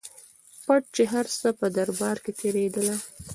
پټ چي هر څه په دربار کي تېرېدله